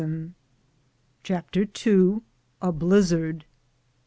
17 CHAPTER II. A BLIZZARD.